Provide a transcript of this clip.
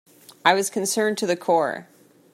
I was concerned to the core.